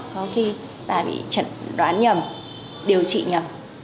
có khi là bị chẩn đoán nhầm điều trị nhầm